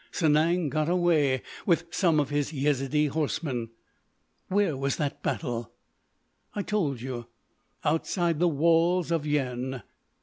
Sanang got away with some of his Yezidee horsemen." "Where was that battle?" "I told you, outside the walls of Yian."